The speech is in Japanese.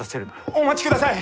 お待ちください！